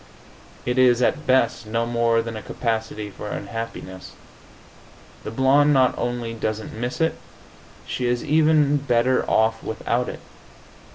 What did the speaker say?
It is, at best, no more than a capacity for unhappiness. The blonde not only doesn't miss it; she is even better off without it.